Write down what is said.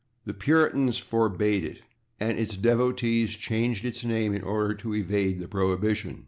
The Puritans forbade it, and its devotees changed its name in order to evade the prohibition.